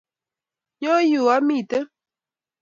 nyoo yuu amite